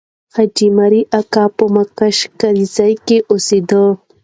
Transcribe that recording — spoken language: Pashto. حاجي مریم اکا په موشک کارېز کې اوسېده.